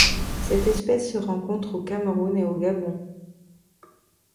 Cette espèce se rencontre au Cameroun et au Gabon.